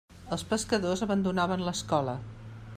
Els pescadors abandonaven l'escola.